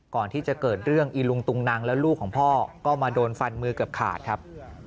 ก่อนที่จะเกิดเรื่องอีลุงตุงนังและลูกของพ่อก็มาโดนฟันมือเกือบขาดครับ